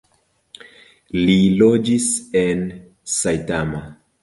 Li loĝis en Saitama.